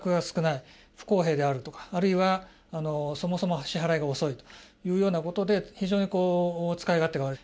不公平であるとかあるいは、そもそも支払いが遅いというようなことで非常に使い勝手が悪い。